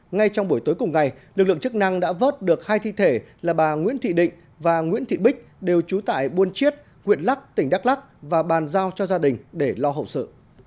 ngay trong buổi tối cùng ngày lực lượng chức năng đã vớt được hai thi thể là bà nguyễn thị định và nguyễn thị bích đều trú tại buôn chiết huyện lắc tỉnh đắk lắc và bàn giao cho gia đình để lo hậu sự